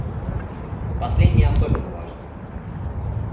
Последнее особенно важно.